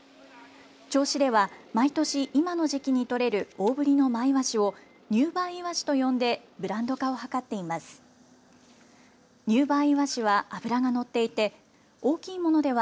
銚子では毎年、今の時期に取れる大ぶりのマイワシを入梅いわしと呼んでブランド化を図っています。